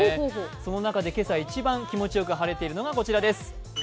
その中で今朝、一番気持ちよく晴れているのがこちらです。